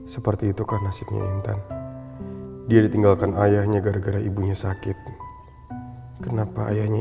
seperti itu kan nasibnya intan dia ditinggalkan ayahnya gara gara ibunya sakit kenapa ayahnya